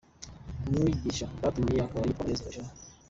Umwigisha batumiye akaba yitwa Munezero Jean.